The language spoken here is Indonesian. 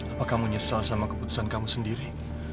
apa kamu nyesal sama keputusan kamu sendiri